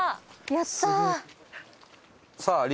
やったー！